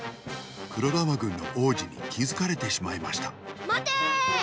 黒玉軍の王子にきづかれてしまいましたまてーー！